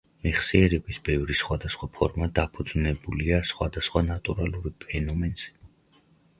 მეხსიერების ბევრი სხვადასხვა ფორმა დაფუძვნებულია სხვადასხვა ნატურალური ფენომენზე.